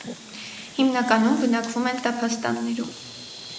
Հիմնականում բնակվում են տափաստաններում։